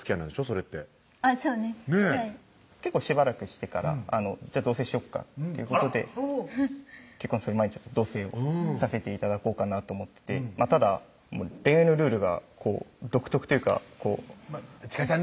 それってそうですねぇ結構しばらくしてから同棲しよっかっていうことで結婚する前同棲をさせて頂こうかなと思っててただ恋愛のルールがこう独特というかこうちかちゃん